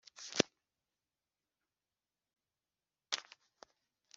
ubukonje bukaruhindura nk’imigera y’amahwa.